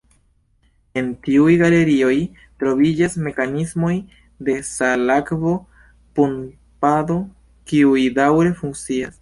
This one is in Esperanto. En tiuj galerioj, troviĝas mekanismoj de salakvo-pumpado, kiuj daŭre funkcias.